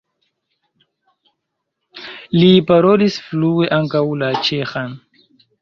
Li parolis flue ankaŭ la ĉeĥan.